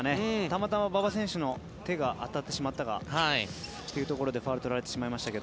たまたま馬場選手の手が当たってしまったところでファウルを取られてしまいましたが。